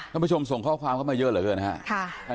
คุณผู้ชมส่งข้อความเข้ามาเยอะหรือเปล่าครับ